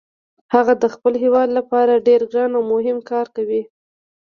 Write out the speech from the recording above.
هغه د خپل هیواد لپاره ډیر ګران او مهم کار کوي